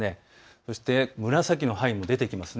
そして紫の範囲も出てきますね。